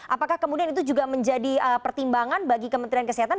apakah kemudian itu juga menjadi pertimbangan bagi kementerian kesehatan